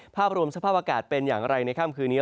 ภาพรวมสภาพอากาศเป็นอย่างไรในค่ำคืนนี้